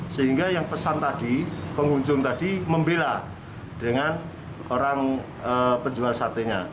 sehingga yang pesan tadi pengunjung tadi membela dengan orang penjual satenya